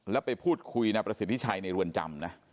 แล้วไปพูดคุยนายประสิทธิชัยในรวนจำนะ